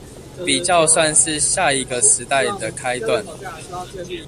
比較算是下一個時代的開段